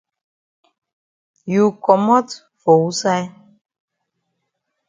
You komot for wusaid?